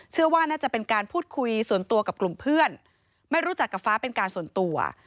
เชื่อว่าน่าจะเป็นการพูดคุยส่วนตัวกับกลุ่มเพื่อนไม่รู้จักกับฟ้าเป็นการส่วนตัว